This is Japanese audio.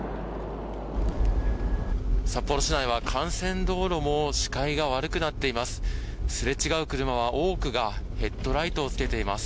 札幌市内は幹線道路も視界が悪くなっています。